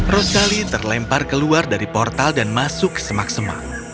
rosali terlempar keluar dari portal dan masuk semak semak